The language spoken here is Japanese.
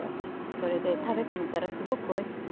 それで食べてみたらすごくおいしくてね